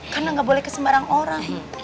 karena gak boleh kesembaran orang